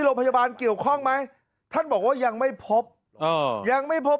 โรงพยาบาลเกี่ยวข้องไหมท่านบอกว่ายังไม่พบอ่ายังไม่พบ